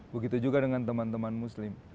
begitu juga dengan teman teman muslim